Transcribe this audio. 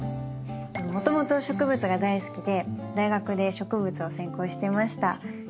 もともと植物が大好きで大学で植物を専攻してました。